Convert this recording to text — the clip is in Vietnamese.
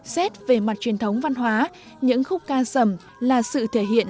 xét về mặt truyền thống văn hóa những khúc ca sầm là sự thể hiện